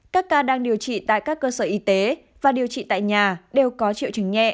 các ca đang điều trị tại các cơ sở y tế và điều trị tại nhà đều có triệu chứng nhẹ